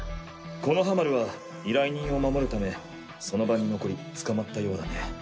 木ノ葉丸は依頼人を守るためその場に残り捕まったようだね。